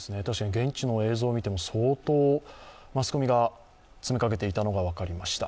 現地の映像を見ても相当マスコミが詰めかけていたのが分かりました。